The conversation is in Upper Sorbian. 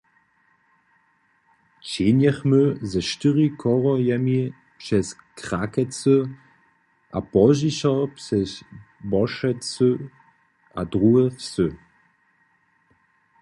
Ćehnjechmy ze štyri chorhojemi přez Krakecy a pozdźišo přez Bošecy a druhe wsy.